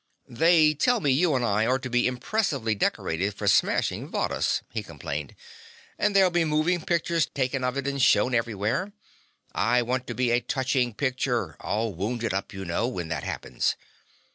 "They tell me you and I are to be impressively decorated for smashing Varrhus," he complained, "and there'll be moving pictures taken of it and shown everywhere. I want to be a touching picture, all wounded up, you know, when that happens.